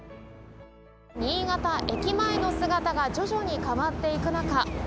新潟駅前の姿が徐々に変わっていく中